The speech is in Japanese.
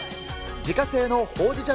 自家製のほうじ茶